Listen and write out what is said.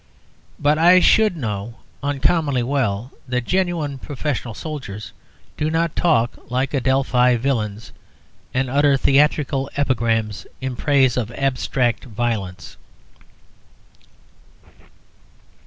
But I should know uncommonly well that genuine professional soldiers do not talk like Adelphi villains and utter theatrical epigrams in praise of abstract violence.